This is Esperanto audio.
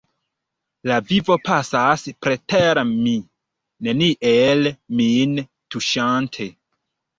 La vivo pasas preter mi, neniel min tuŝante.